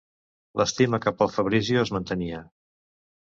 L'estima cap al Fabrizio es mantenia.